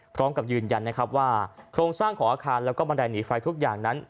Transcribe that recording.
พร้อมกับยืนยันนะครับว่าโครงสร้างของอาคารแล้วก็บันไดหนีไฟทุกอย่างนั้น